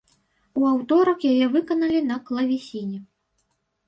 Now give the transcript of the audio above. У аўторак яе выканалі на клавесіне.